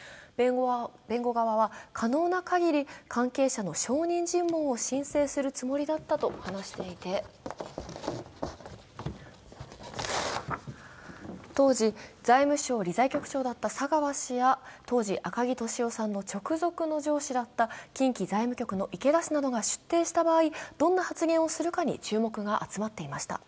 弁護側は可能な限り関係者の証人尋問を申請するつもりだったと話していて当時、財務省理財局長だった佐川氏や当時、赤木俊夫さんの直属の上司だった近畿財務局の池田氏などが出廷した場合どんな発言をするかに注目が集まっていました。